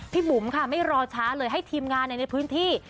บุ๋มค่ะไม่รอช้าเลยให้ทีมงานในพื้นที่